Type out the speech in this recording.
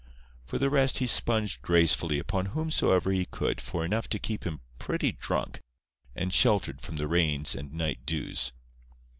For the rest he sponged gracefully upon whomsoever he could for enough to keep him pretty drunk, and sheltered from the rains and night dews.